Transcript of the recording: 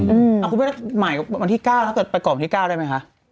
อืมคุณพี่ว่าหมายว่าวันที่๙ถ้าเกิดไปก่อนวันที่๙ได้ไหมคะ